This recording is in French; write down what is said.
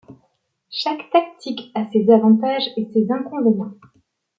Chaque tactique à ses avantages et ses inconvénients.